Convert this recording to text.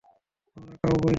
আমরা কাউবয় নই।